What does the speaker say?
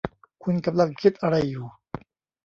คุณกำลังคิดอะไรอยู่ ?